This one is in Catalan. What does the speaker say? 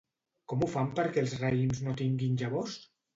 Com ho fan perquè els raïms no tinguin llavors?